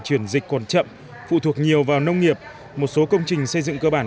chuyển dịch còn chậm phụ thuộc nhiều vào nông nghiệp một số công trình xây dựng cơ bản